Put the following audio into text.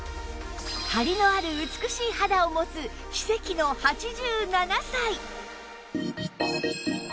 ハリのある美しい肌を持つ奇跡の８７歳！